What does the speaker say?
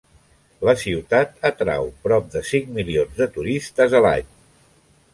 La ciutat atrau prop de cinc milions de turistes a l'any.